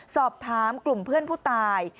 สอบถามกลุ่มเพื่อนผู้ตาย